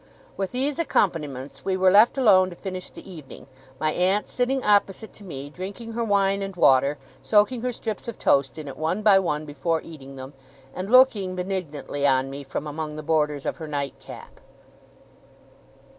With these accompaniments we were left alone to finish the evening, my aunt sitting opposite to me drinking her wine and water; soaking her strips of toast in it, one by one, before eating them; and looking benignantly on me, from among the borders of her nightcap.